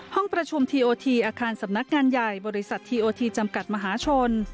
ห้องประชุมทีโอทีอาคารสำนักงานใหญ่บริษัททีโอทีจำกัดมหาชน